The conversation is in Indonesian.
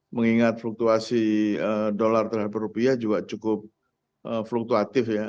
mengingat fluktuasi dolar terhadap rupiah juga cukup fluktuatif ya